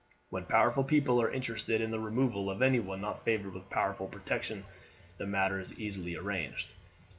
When powerful people are interested in the removal of anyone not favoured with powerful protection the matter is easily arranged.